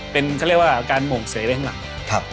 เป็นเขาเรียกว่าการหม่งเสไปข้างหลัง